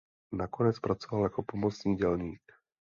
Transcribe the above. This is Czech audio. Nakonec pracoval jako pomocný dělník.